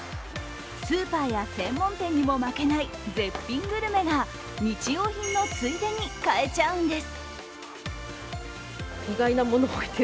スーパーや専門店にも負けない絶品グルメが日用品のついでに買えちゃうんです。